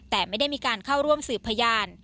แต่ไม่ได้มีการเข้าร่วมสืบพยาน